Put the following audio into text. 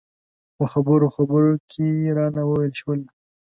په خبرو خبرو کې رانه وویل شول.